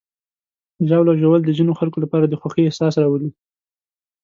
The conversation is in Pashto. ژاوله ژوول د ځینو خلکو لپاره د خوښۍ احساس راولي.